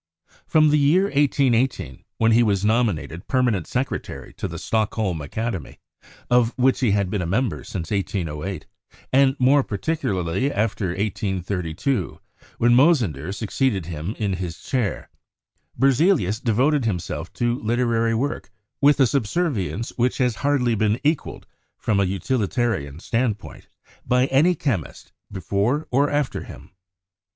From the year 1818, when he was nominated permanent secretary to the Stockholm Academy, of which he had been a member since 1808, and more particularly after 1832, when Mosander succeeded him in his chair, Berze lius devoted himself to literary work with a subservience which has hardly been equaled from a utilitarian stand point by any chemist either before or after him.